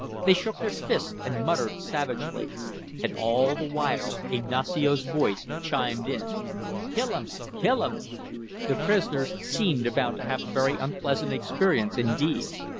They shook their fists and muttered savagely. And all the while Ignacio's voice chimed in. "Kill 'em! Kill 'em!" The prisoners seemed about to have a very unpleasant experience indeed.